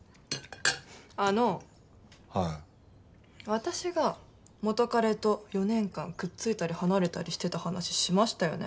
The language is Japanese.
私が元カレと４年間くっついたり離れたりしてた話しましたよね？